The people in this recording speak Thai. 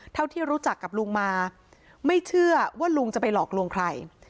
เท่าที่รู้จักกับลุงมาไม่เชื่อว่าลุงจะไปหลอกลวงใคร